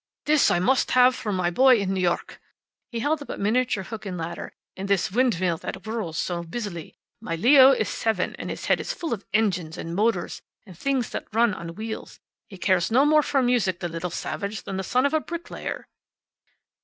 "This I must have for my boy in New York." He held up a miniature hook and ladder. "And this windmill that whirls so busily. My Leo is seven, and his head is full of engines, and motors, and things that run on wheels. He cares no more for music, the little savage, than the son of a bricklayer."